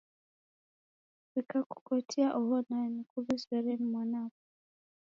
W'ikakukotia oho nani, kuw'izere ni mwanapo.